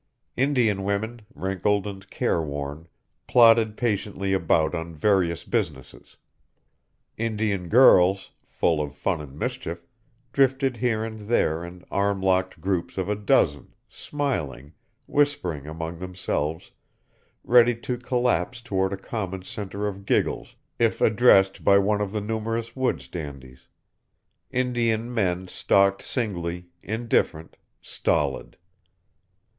Indian women, wrinkled and careworn, plodded patiently about on various businesses. Indian girls, full of fun and mischief, drifted here and there in arm locked groups of a dozen, smiling, whispering among themselves, ready to collapse toward a common centre of giggles if addressed by one of the numerous woods dandies, Indian men stalked singly, indifferent, stolid.